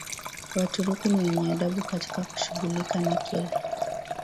Waturuki ni wenye adabu katika kushughulika na kila